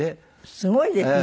すごいですね。